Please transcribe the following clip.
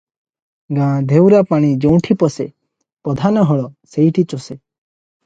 "ଗାଁ-ଧୋଉରାପାଣି ଯେଉଁଠି ପଶେ, ପଧାନ ହଳ ସେଇଠି ଚଷେ ।"